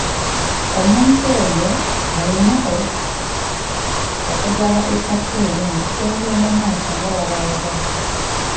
Omuntu oyo alina olukusa okugaba ettaka eryo mu biseera by'omu maaso nga bw'aba ayagadde.